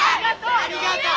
ありがとう！